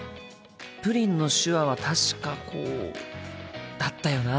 プリンの手話は確かこうだったよな。